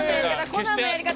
コナンのやり方。